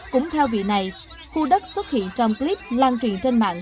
cũng theo vị này khu đất xuất hiện trong clip lan truyền trên mạng